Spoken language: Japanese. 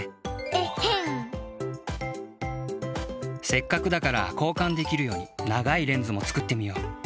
せっかくだからこうかんできるようにながいレンズも作ってみよう。